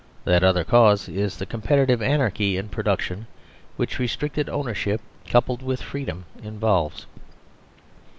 That other cause is the competitive anarchy in pro 89 THE SERVILE STATE duction which restricted ownership coupled withfree dom involves.